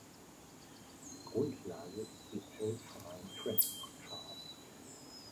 Grundlage ist die Alltime Track Chart.